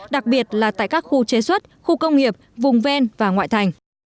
đặc biệt là tại các khu chế xuất khu công nghiệp vùng ven và ngoại thành